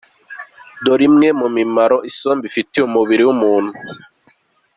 Dore imwe mu mimaro isombe ifitiye umubiri w’umuntu.